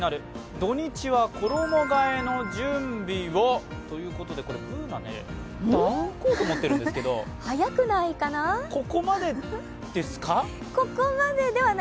土日は衣替えの準備をということで、Ｂｏｏｎａ、ダウンコート持ってるんですけどここまでではない。